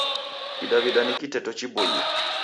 Kidaw'ida ni kiteto chiboie.